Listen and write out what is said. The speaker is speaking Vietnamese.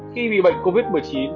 khi bị bệnh covid một mươi chín